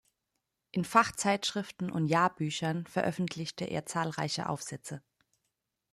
In Fachzeitschriften und Jahrbüchern veröffentlichte er zahlreiche Aufsätze.